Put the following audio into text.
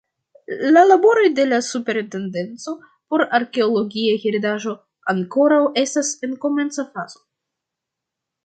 La laboroj de la Superintendenco por Arkeologia Heredaĵo ankoraŭ estas en komenca fazo.